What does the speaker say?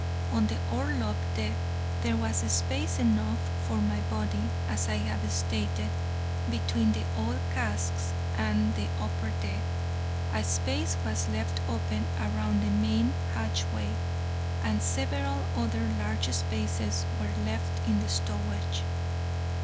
On the orlop deck there was space enough for my body (as I have stated) between the oil casks and the upper deck; a space was left open around the main hatchway; and several other large spaces were left in the stowage.